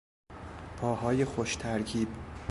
پاهای خوش ترکیب